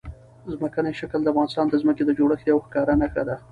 ځمکنی شکل د افغانستان د ځمکې د جوړښت یوه ښکاره نښه ده.